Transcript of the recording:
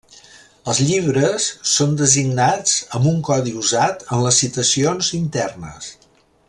Els llibres són designats amb un codi usat en les citacions internes.